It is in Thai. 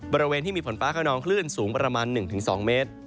บริเวณที่มีฝนฟ้าขนองคลื่นสูงประมาณ๑๒เมตร